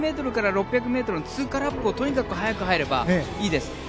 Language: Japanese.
２００ｍから６００ｍの通過ラップをとにかく早く入ればいいです。